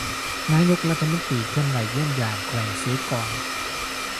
ນາຍົກລັດຖະມົນຕີ ເຄື່ອນໄຫວຢ້ຽມຢາມແຂວງເຊກອງ